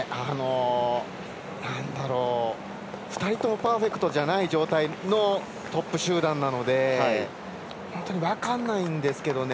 ２人ともパーフェクトじゃない状態のトップ集団なので本当に分かんないですけどね。